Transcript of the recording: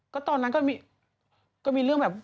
ก็ตอนนั้นก็มีเรื่องแบบ